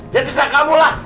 ya terserah kamu lah